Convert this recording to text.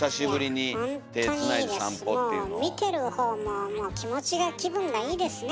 見てるほうも気持ちが気分がいいですね。